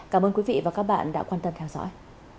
cảm ơn quý vị và các bạn đã quan tâm theo dõi